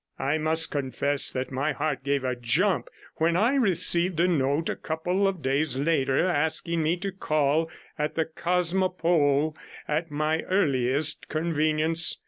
I must confess that my heart gave a jump when I received a note a couple of days later, asking me to call at the Cosmopole at my earliest convenience.